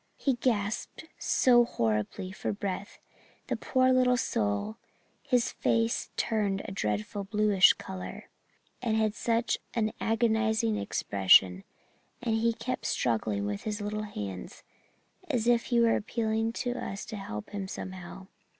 He gasped so horribly for breath the poor little soul and his face turned a dreadful bluish colour and had such an agonized expression, and he kept struggling with his little hands, as if he were appealing to us to help him somehow.